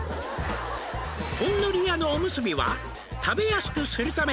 「ほんのり屋のおむすびは食べやすくするため」